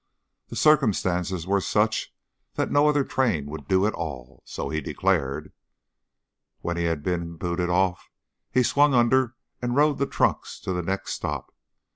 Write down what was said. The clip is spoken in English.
The circumstances were such that no other train would do at all, so he declared. When he had been booted off he swung under and rode the trucks to the next stop.